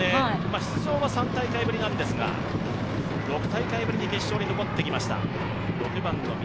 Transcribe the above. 出場は３大会ぶりなんですが、６大会ぶりに決勝に残ってきました。